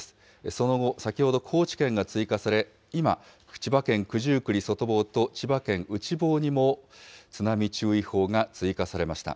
その後、先ほど高知県が追加され、今、千葉県九十九里外房と千葉県内房にも津波注意報が追加されました。